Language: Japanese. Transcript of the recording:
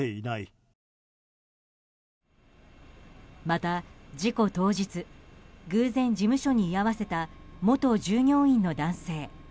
また事故当日、偶然事務所に居合わせた、元従業員の男性。